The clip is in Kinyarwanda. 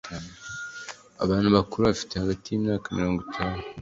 abantu bakuru bafite hagati y imyaka mirongo itanu